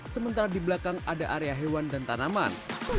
sementara di belakang ada area hewan dan tanaman